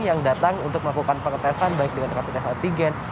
yang datang untuk melakukan pengetesan baik dengan rapid test antigen